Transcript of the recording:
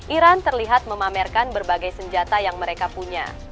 iran terlihat memamerkan berbagai senjata yang mereka punya